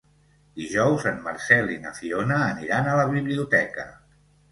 Dijous en Marcel i na Fiona aniran a la biblioteca.